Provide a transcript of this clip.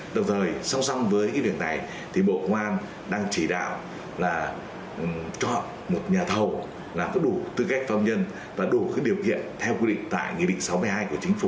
đồng thời song song với cái việc này thì bộ công an đang chỉ đạo là chọn một nhà thầu là có đủ tư cách phong nhân và đủ cái điều kiện theo quy định tại nghị định sáu mươi hai của chính phủ